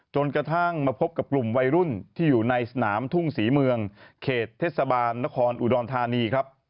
จนกระทั่งมาพบกับกลุ่มวัยรุ่นที่อยู่ในสนามทุ่งศรีเมืองเขตเทศบาลนครอุดรธานีครับ